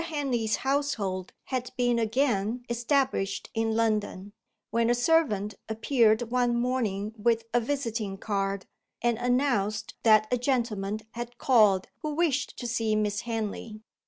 HENLEY'S household had been again established in London, when a servant appeared one morning with a visiting card, and announced that a gentleman had called who wished to see Miss Henley.